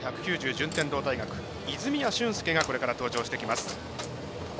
順天堂大学、泉谷駿介がこれから登場してきます。